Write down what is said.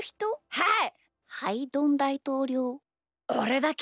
はい！